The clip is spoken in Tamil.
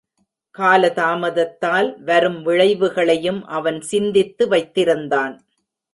காலதாமதத்தால் வரும் விளைவுகளையும் அவன் சிந்தித்து வைத்திருந்தான்.